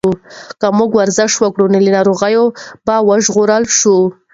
که موږ ورزش وکړو نو له ناروغیو به وژغورل شو.